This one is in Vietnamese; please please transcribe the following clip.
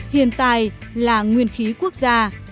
hiền tài là nguyên khí quốc gia